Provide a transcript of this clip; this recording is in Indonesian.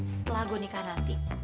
setelah gue nikah nanti